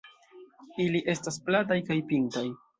Ili estas plataj kaj pintaj.